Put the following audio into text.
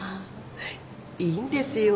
いいんですよ。